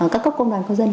các cấp công đoàn công dân